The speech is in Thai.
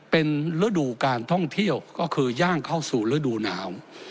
เป็นฤดูการท่องเที่ยวก็คือย่างเข้าสู่ฤดูหนาว